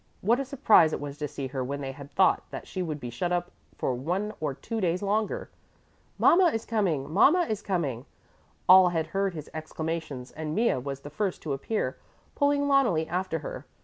What a surprise it was to see her when they had thought that she would be shut up for one or two days longer! "Mama is coming! Mama is coming!" All had heard his exclamations and Mea was the first to appear, pulling Loneli after her.